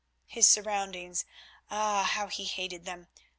His surroundings—ah! how he hated them!